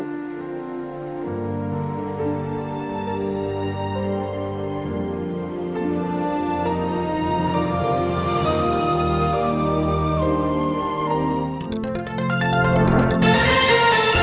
โปรดติดตามตอนต่อไป